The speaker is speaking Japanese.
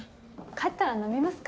帰ったら飲みますか。